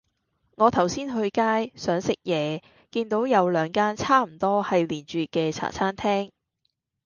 我頭先去街,想食野見到有兩間差唔多係連住既茶餐廳